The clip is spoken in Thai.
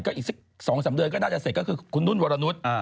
ก็อีกสิบสองสามเดือนก็น่าจะเสร็จก็คือคุณนุ่นวรรณุษย์